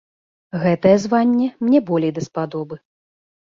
Гэтае званне мне болей даспадобы.